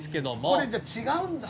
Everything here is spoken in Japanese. これじゃあ違うんだ。